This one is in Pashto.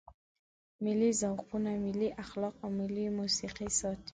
ملي ذوقونه، ملي اخلاق او ملي موسیقي ساتي.